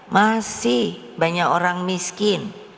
masih banyak orang miskin